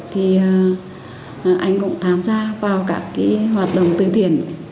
thì anh cũng thám gia vào các hoạt động tiêu tiền